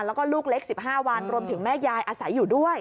แล้วก็ลูกเล็ก๑๕วันรวมถึงแม่ยายอาศัยอยู่ด้วย